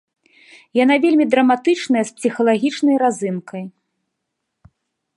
Яна вельмі драматычная, з псіхалагічнай разынкай.